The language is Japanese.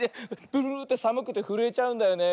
ブルブルってさむくてふるえちゃうんだよね。